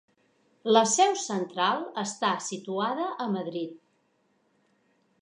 La seu central està situada a Madrid.